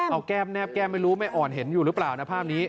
เอาแก้มแนบแก้มไม่รู้แม่อ่อนเห็นอยู่หรือเปล่านะภาพนี้